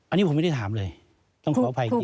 อันนี้ผมไม่ได้ถามเลยต้องขออภัยจริง